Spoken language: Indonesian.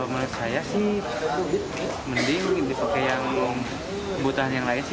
menurut saya sih mending dipakai yang kebutuhan yang lain sih